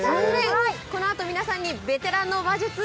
このあと皆さんにベテランの話術